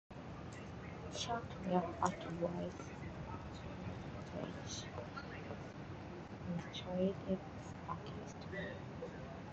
Shortly afterwards Schwarzenbach enlisted ex-Against Me!